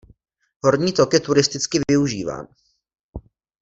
Horní tok je turisticky využíván.